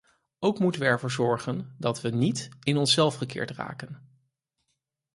Ook moeten we ervoor zorgen dat we niet in onszelf gekeerd raken.